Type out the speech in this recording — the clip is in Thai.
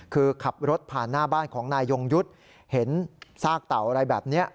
คือขับรถผ่านหน้าบ้านของนายยงยุทธ์เห็นซากเต่าอะไรแบบนี้